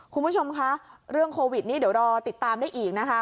คุณผู้ชมคะเรื่องโควิดนี้เดี๋ยวรอติดตามได้อีกนะคะ